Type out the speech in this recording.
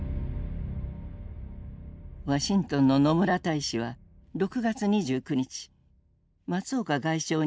ワシントンの野村大使は６月２９日松岡外相に宛て打電した。